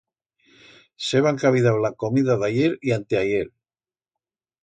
S'heban cabidau la comida d'ahier y anteahier.